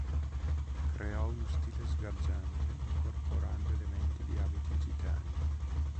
Creò uno stile sgargiante incorporando elementi di abiti gitani.